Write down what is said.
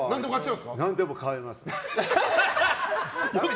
何でも買います。